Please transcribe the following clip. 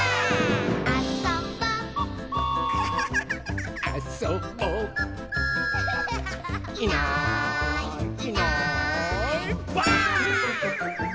「あそぼ」「あそぼ」「いないいないばあっ！」